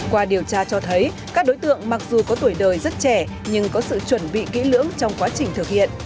qua điều tra cho thấy các đối tượng mặc dù có tuổi đời rất trẻ nhưng có sự chuẩn bị kỹ lưỡng trong quá trình thực hiện